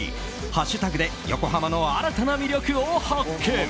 ハッシュタグで横浜の新たな魅力を発見。